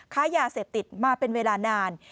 ค้ายาเสพติดมาเป็นเวลานาน